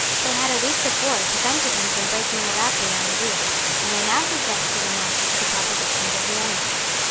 They had a week before prevented him from breaking a Rapparee on the wheel; and they now suggested an answer to the propositions of the enemy.